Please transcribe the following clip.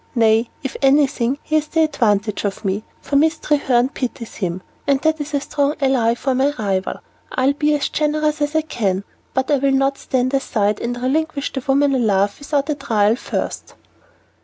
Nay, if anything, he has the advantage of me, for Miss Treherne pities him, and that is a strong ally for my rival. I'll be as generous as I can, but I'll not stand aside and relinquish the woman I love without a trial first."